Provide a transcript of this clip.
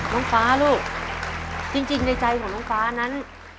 น้องฟ้าลูกจริงในใจของน้องฟ้านั้น